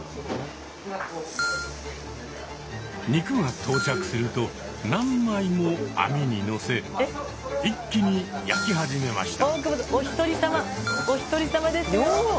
肉が到着すると何枚も網にのせ一気に焼き始めました。